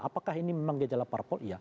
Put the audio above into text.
apakah ini memang gejala parpol iya